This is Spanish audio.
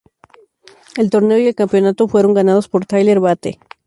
El torneo y el campeonato fueron ganados por Tyler Bate.